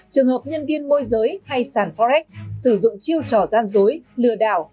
trường hợp nhân viên môi giới hay sản forex sử dụng chiêu trò gian dối lừa đảo